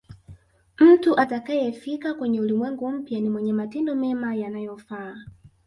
mtu atakayefika kwenye ulimwengu mpya ni mwenye matendo mema yanayofaa